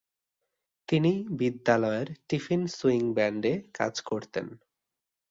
তিনি বিদ্যালয়ের tiffin swing ব্যান্ড-এ কাজ করতেন।